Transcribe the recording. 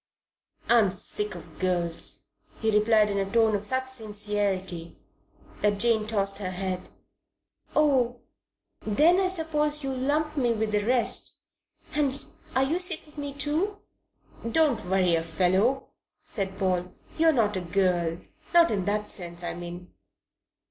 "I'm sick of girls," he replied in a tone of such sincerity that Jane tossed her head. "Oh? Then I suppose you lump me with the rest and are sick of me too?" "Don't worry a fellow," said Paul. "You're not a girl not in that sense, I mean.